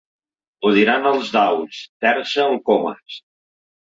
Ho diran els daus —terça el Comas—.